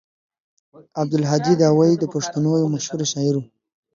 عبدالهادي داوي د پښتنو يو مشهور شاعر و.